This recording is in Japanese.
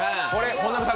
本並さん